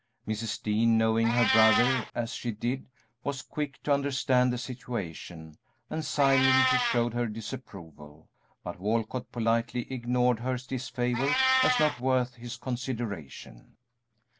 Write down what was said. Mrs. Dean, knowing her brother as she did, was quick to understand the situation, and silently showed her disapproval; but Walcott politely ignored her disfavor as not worth his consideration.